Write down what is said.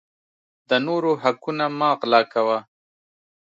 د نورو حقونه مه غلاء کوه